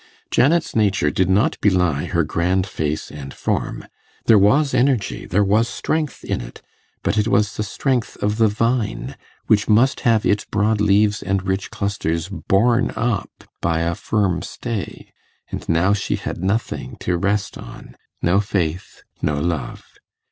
Janet's nature did not belie her grand face and form: there was energy, there was strength in it; but it was the strength of the vine, which must have its broad leaves and rich clusters borne up by a firm stay. And now she had nothing to rest on no faith, no love.